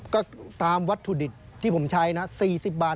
ก็ตามวัตถุดิบที่ผมใช้นะ๔๐บาท